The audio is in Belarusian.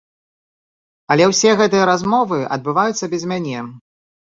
Але ўсе гэтыя размовы адбываюцца без мяне.